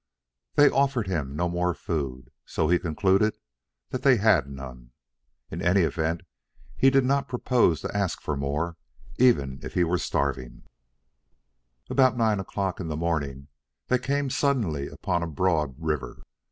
They offered him no more food, so he concluded that they had none. In any event he did not propose to ask for more, even if he were starving. Along about nine o'clock in the morning they came suddenly upon a broad river.